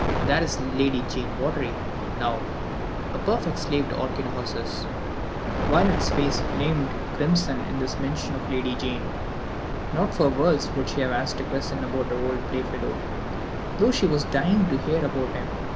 There is Lady Jane Vawdrey now, a perfect slave to the orchid houses." Violet's face flamed crimson at this mention of Lady Jane. Not for worlds would she have asked a question about her old playfellow, though she was dying to hear about him.